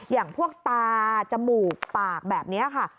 อย่างพวกตาจมูกปากแบบนี้ค่ะ